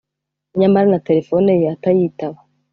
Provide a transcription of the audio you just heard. nyamara na telephone ye atayitaba